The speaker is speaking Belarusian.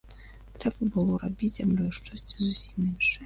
Трэба было рабіць з зямлёю штосьці зусім іншае.